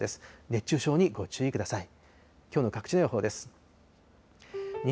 熱中症にご注意ください。